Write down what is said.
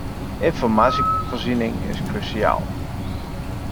Informatievoorziening is cruciaal.